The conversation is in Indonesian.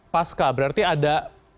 pasca berarti ada